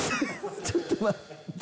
ちょっと待って。